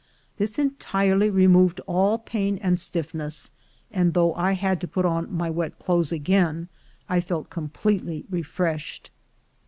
This entirely removed all pain and stiffness; and though I had to put on my wet clothes again, I felt completely refreshed.